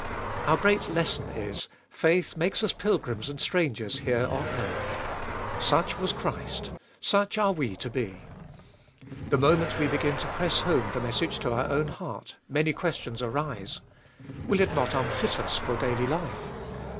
Our great lesson is: Faith makes us pilgrims and strangers here on earth. Such was Christ ; such are we to be. The moment we begin to press home the message to our own heart, many questions arise. Will it not unfit us for daily life